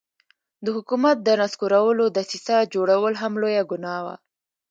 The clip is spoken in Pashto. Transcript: د حکومت د نسکورولو دسیسه جوړول هم لویه ګناه وه.